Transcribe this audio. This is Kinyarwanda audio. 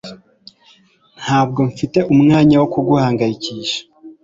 Ntabwo mfite umwanya wo kuguhangayikisha